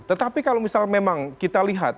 tetapi kalau misal memang kita lihat